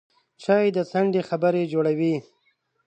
چای د څنډې خبرې جوړوي